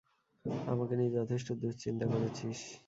আমাকে নিয়ে যথেষ্ট দুশ্চিন্তা করেছিস।